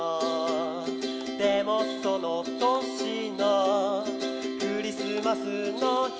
「でもその年のクリスマスの日」